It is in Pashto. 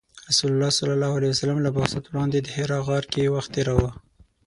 رسول الله ﷺ له بعثت وړاندې د حرا غار کې وخت تیراوه .